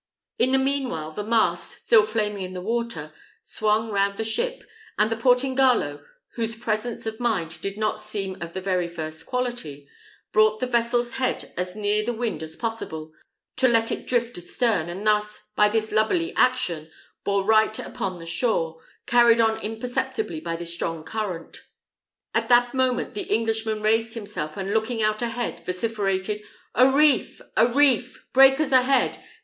In the mean while the mast, still flaming in the water, swung round the ship; and the Portingallo, whose presence of mind did not seem of the very first quality, brought the vessel's head as near the wind as possible, to let it drift astern, and thus, by this lubberly action, bore right upon the shore, carried on imperceptibly by a strong current. At that moment the Englishman raised himself, and looking out ahead, vociferated, "A reef! a reef! Breakers ahead!